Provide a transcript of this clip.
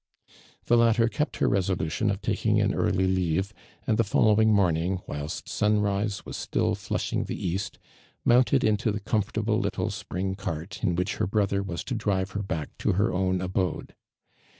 Tho lattt r kept her resolution of taking an early leave, and tho following morning, whilst sunrise was still flushing the vwt, mounteci into tho jomfortable little spring cart in which her brother was to drive her back to her own abode.